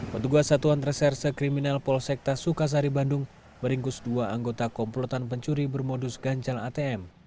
petugas satuan reserse kriminal polsekta sukasari bandung meringkus dua anggota komplotan pencuri bermodus ganjal atm